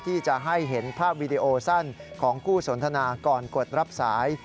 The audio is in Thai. ที่จะให้เห็นภาพวีดีโอสั้นของคู่สนทนาก่อนกดรับสาย